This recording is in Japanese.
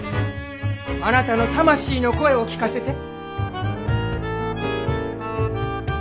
あなたの魂の声を聞かせて。